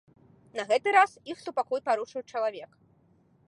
На гэты раз іх супакой парушыў чалавек.